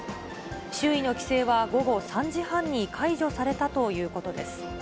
周囲の規制は午後３時半に解除されたということです。